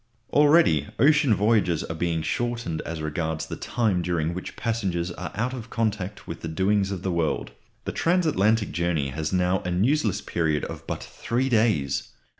Already ocean voyages are being shortened as regards the time during which passengers are out of contact with the doings of the world. The transatlantic journey has now a newsless period of but three days.